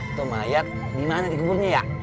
itu mayat dimana dikuburnya ya